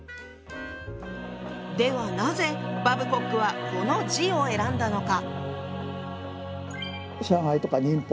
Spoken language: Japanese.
ではなぜバブコックはこの字を選んだのか？